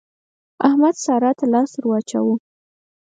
احمد سارا ته لاس ور واچاوو.